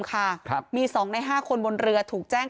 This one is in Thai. ค่ะครับมี๒ใน๕คนบนเรือถูกแจ้ง